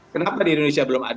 kenapa di indonesia belum ada